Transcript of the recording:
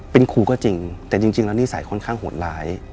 เป็นครูก็จริงแต่จริงแล้วนิสัยค่อนข้างโหดร้าย